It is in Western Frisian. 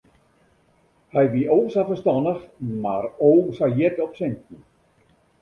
Hy wie o sa ferstannich mar o sa hjit op sinten.